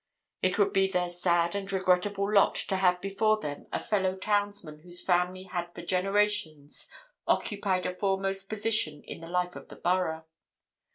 It would be their sad and regrettable lot to have before them a fellow townsman whose family had for generations occupied a foremost position in the life of the borough.